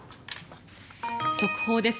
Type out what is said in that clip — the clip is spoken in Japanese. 速報です。